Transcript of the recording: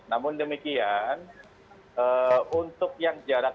namun demikian untuk yang jarak